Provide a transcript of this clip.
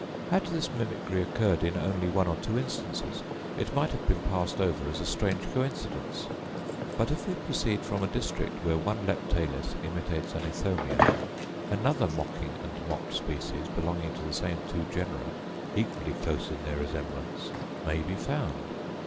Had this mimicry occurred in only one or two instances, it might have been passed over as a strange coincidence. But, if we proceed from a district where one Leptalis imitates an Ithomia, another mocking and mocked species, belonging to the same two genera, equally close in their resemblance, may be found.